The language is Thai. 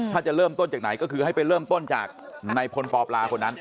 ถ้าจะเริ่มต้นจากไหนก็คือให้ไปเริ่มต้นจากในพลปปลาคนนั้น